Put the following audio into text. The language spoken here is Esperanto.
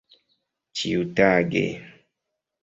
ĉiutage